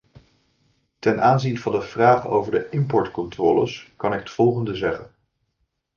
Ten aanzien van de vraag over de importcontroles kan ik het volgende zeggen.